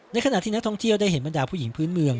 ขณะที่นักท่องเที่ยวได้เห็นบรรดาผู้หญิงพื้นเมือง